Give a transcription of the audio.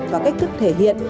và cách thức thể hiện